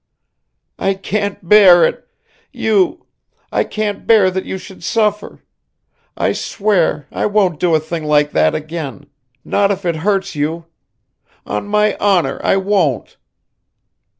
"I can't bear it. You I can't bear that you should suffer. I swear I won't do a thing like that again not if it hurts you. On my honour I won't."